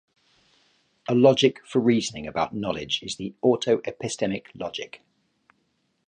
A logic for reasoning about knowledge is the autoepistemic logic.